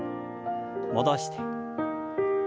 戻して。